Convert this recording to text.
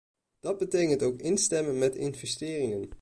Dat betekent ook instemmen met investeringen.